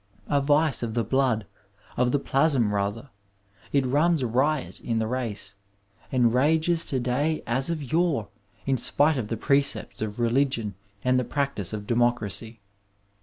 A vice of the blood, of the plasm rather, it runs riot in the race, and rages to day as of yore in spite of the precepts of religion and tiie practice of democracy.